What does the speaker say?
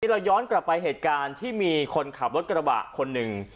เราย้อนกลับไปเหตุการณ์ที่มีคนขับรถกระบะคนหนึ่ง